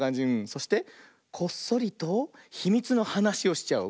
そしてこっそりとひみつのはなしをしちゃおう。